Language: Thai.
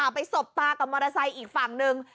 สบตากับมอเตอร์ไซค์อีกฝั่งหนึ่ง